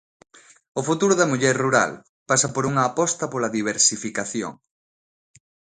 O futuro da muller rural pasa por unha aposta pola diversificación.